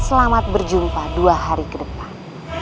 selamat berjumpa dua hari ke depan